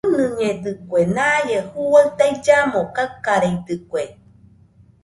ɨnɨñedɨkue, naie juaɨ taillamo kakareidɨkue